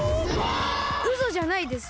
うそじゃないです！